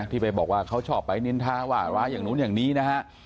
ที่ไปบอกว่าเขาชอบไปนินทาว่าร้ายอย่างนู้นอย่างนี้นะฮะ